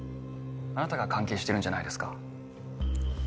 あなたが関係してるんじゃないですか？